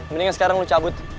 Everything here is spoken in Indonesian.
mendingan sekarang lo cabut